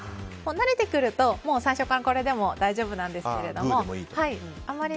慣れてくると最初からこれでも大丈夫なんですが。